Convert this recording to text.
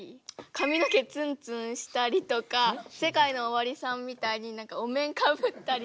髪の毛ツンツンしたりとかＳＥＫＡＩＮＯＯＷＡＲＩさんみたいにお面かぶったりとか。